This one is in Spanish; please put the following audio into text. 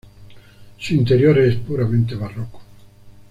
Su interior es puramente barroco.